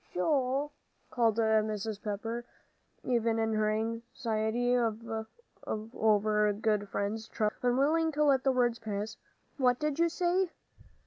"Joel," called Mrs. Pepper, even in her anxiety over good friends' trouble, unwilling to let the word pass, "what did you say?"